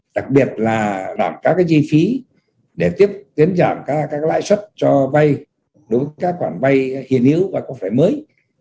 đặc biệt là đảm các chi phí để tiếp tiến giảm các lãi suất cho vay đối với các quản vay hiền yếu và có vẻ mới